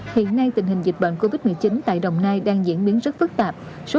hiện nay tình hình dịch bệnh covid một mươi chín tại đồng nai đang diễn biến rất phức tạp